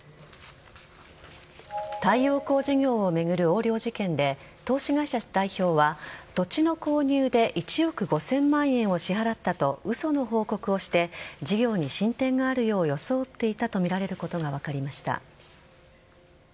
太陽光事業を巡る横領事件で投資会社代表は土地の購入で１億５０００万円を支払ったと嘘の報告をして事業に進展があるよう装っていたとみられることが分かりました。